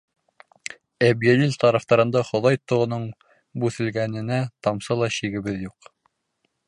Әбйәлил тарафтарында Хоҙай тоғоноң бүҫелгәненә тамсы ла шигебеҙ юҡ.